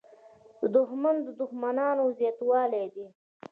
• دښمني د دوښمنانو زیاتوالی دی.